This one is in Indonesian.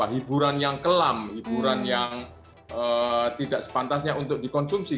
hiburan yang kelam hiburan yang tidak sepantasnya untuk dikonsumsi